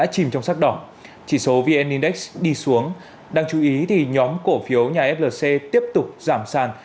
chỉ trong sắc đỏ chỉ số vn index đi xuống đang chú ý thì nhóm cổ phiếu nhà flc tiếp tục giảm sàn